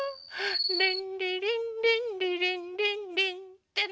「リンリリンリンリリンリンリン」ってね。